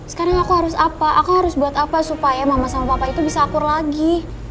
sekarang aku harus apa aku harus buat apa supaya mama sama papa itu bisa akur lagi